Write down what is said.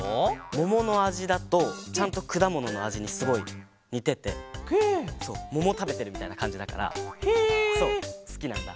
もものあじだとちゃんとくだもののあじにすごいにててももたべてるみたいなかんじだからすきなんだ。